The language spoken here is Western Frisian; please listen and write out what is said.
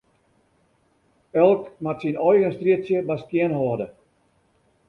Elk moat syn eigen strjitsje mar skjinhâlde.